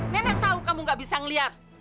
nenek tahu kamu gak bisa ngeliat